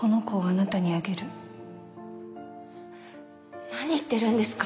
なに言ってるんですか。